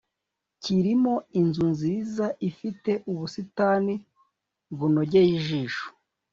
kirimo inzu nziza ifite ubusitani bunogeye ijisho